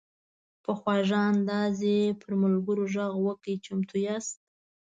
په خواږه انداز یې پر ملګرو غږ وکړ: "چمتو یاست؟"